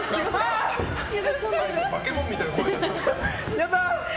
やったー！